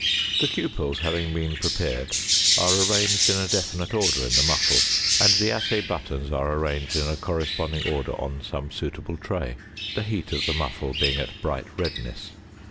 The cupels having been prepared are arranged in a definite order in the muffle, and the assay buttons are arranged in a corresponding order on some suitable tray (cupel tray, fig. 41); the heat of the muffle being at bright redness.